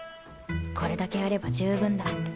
これだけあれば十分だ。